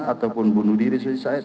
ataupun bunuh diri suicide